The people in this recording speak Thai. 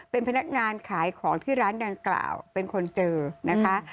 เป็นพนักงานขายของที่ร้านดังกล่าวเป็นคนเจอนะคะ